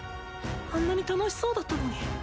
あんなに楽しそうだったのに。